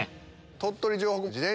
鳥取城北。